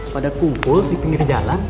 pada kumpul di pinggir jalan